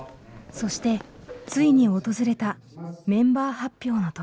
そしてついに訪れたメンバー発表の時。